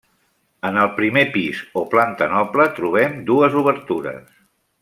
En el primer pis o planta noble trobem dues obertures.